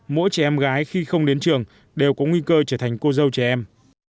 mỗi trẻ em gái khi không đến trường đều có nguy cơ trở thành cô dâu trẻ em